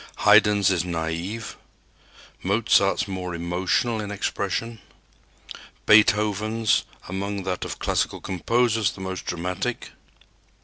Haydn's is naive; Mozart's more emotional in expression; Beethoven's, among that of classical composers, the most dramatic.